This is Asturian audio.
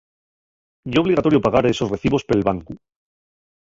Ye obligatorio pagar esos recibos pel bancu.